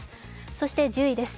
そして１０位です。